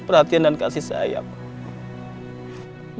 perhatian dan kasih sayang